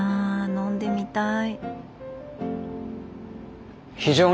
飲んでみたい。